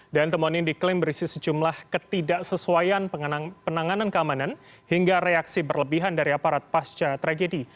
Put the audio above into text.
dan temuan ini diklaim berisi sejumlah ketidaksesuaian penanganan keamanan hingga reaksi berlebihan dari aparat pasca tragedi